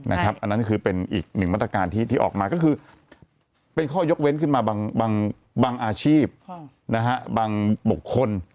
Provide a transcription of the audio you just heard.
อันนั้นคือเป็นอีกหนึ่งมาตรการที่ออกมาก็คือเป็นข้อยกเว้นขึ้นมาบางอาชีพบางบุคคล